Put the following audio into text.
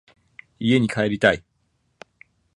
家に帰りたい。